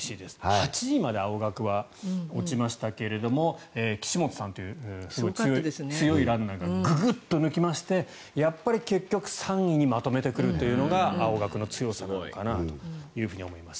８位まで青学は落ちましたが岸本さんという強いランナーがググッと抜きましてやっぱり結局３位にまとめてくるというのが青学の強さなのかなと思います。